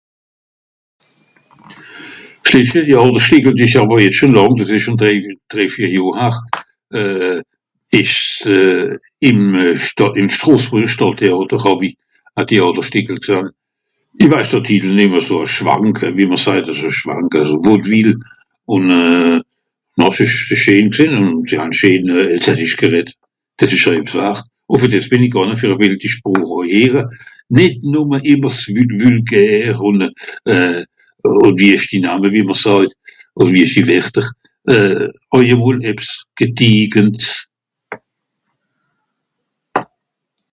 S'letschte Teàterstìckel dìs ìsch àwer jetz schon làng, dìs ìsch jetz drèi... drèi vìer Johr har. Euh... ìsch's euh... ìm euh... Stàdt... ìm Strosbùrrier Stàdtteàter hàw-i a Teàterstìckel gsahn. Ìch weis de Tìtel nìmm, eso e Schwank euh..., wie mr sajt àlso Schwank àlso Vaudeville. Ùn euh... bah s'ìsch scheen gsìnn, sìe han scheen eslassisch gerdeddt. Dìs ìsch (...).(...) fer e bìssel Sproch oei ehre. Nìt nùmme s'vu... vulgaire ùn euh... euh... ùn wieschti Name wie mr sààjt, ùn wieschti Werter. Euh... oei e mol ebbs (...).